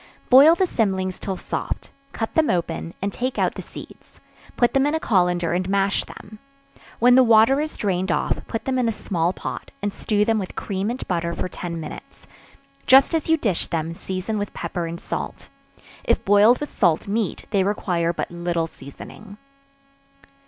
Boil the cymlings till soft; cut them open, and take out the seeds; put them in a colander, and mash them; when the water is drained off, put them in a small pot, and stew them with cream and butter for ten minutes; just as you dish them, season with pepper and salt. If boiled with salt meat, they require but little seasoning.